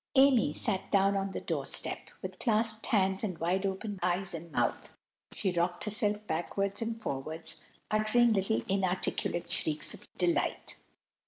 Amy sat down on the doorstep, with clasped hands and wide open eyes and mouth. She rocked herself backwards and forwards, uttering little inarticulate shrieks of delight.